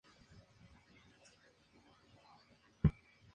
La serie trata de una poco convencional agencia de detectives.